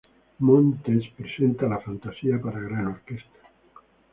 Montes presenta la "Fantasía para gran orquesta".